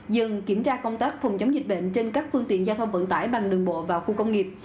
dừng kiểm tra công tác phòng chống dịch bệnh trên các phương tiện giao thông vận tải bằng đường bộ vào khu công nghiệp